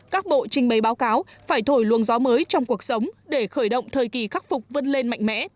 các bộ trình bày báo cáo phải thổi luồng gió mới trong cuộc sống để khởi động thời kỳ khắc phục vươn lên mạnh mẽ